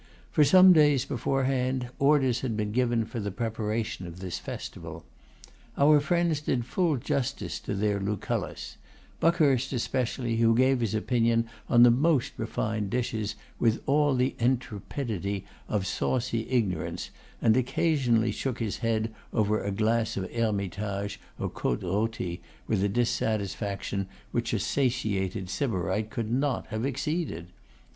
For some days beforehand orders had been given for the preparation of this festival. Our friends did full justice to their Lucullus; Buckhurst especially, who gave his opinion on the most refined dishes with all the intrepidity of saucy ignorance, and occasionally shook his head over a glass of Hermitage or Côte Rôtie with a dissatisfaction which a satiated Sybarite could not have exceeded.